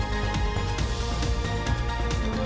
โปรดติดตามตอนต่อไป